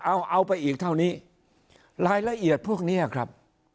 เอาเอาไปอีกเท่านี้รายละเอียดพวกนี้ครับ